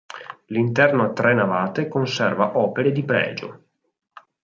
L'interno a tre navate conserva opere di pregio.